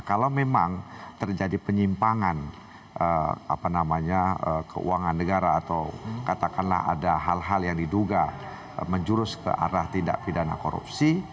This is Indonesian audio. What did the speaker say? kalau memang terjadi penyimpangan keuangan negara atau katakanlah ada hal hal yang diduga menjurus ke arah tindak pidana korupsi